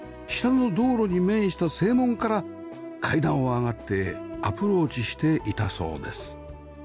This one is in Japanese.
下の道路に面した正門から階段を上がってアプローチしていたそうです